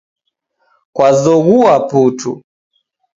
Kwazoghua putu